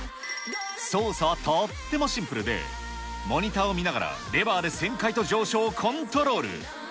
操作はとってもシンプルで、モニターを見ながら、レバーで旋回と上昇をコントロール。